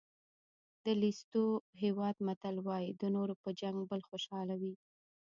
د لېسوتو هېواد متل وایي د نورو په جنګ بل خوشحاله وي.